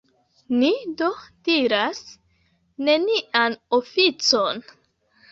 Ni do diras: nenian oficon?